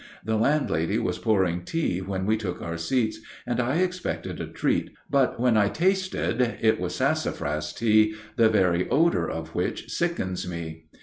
The landlady was pouring tea when we took our seats, and I expected a treat, but when I tasted it was sassafras tea, the very odor of which sickens me.